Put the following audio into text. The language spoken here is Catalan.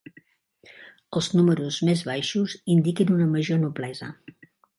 Els números més baixos indiquen una major noblesa.